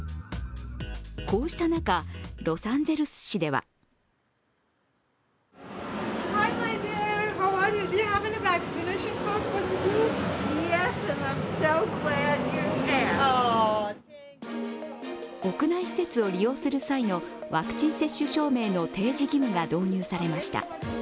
こうした中、ロサンゼルス市では屋内施設を利用する際のワクチン接種証明の提示義務が導入されました。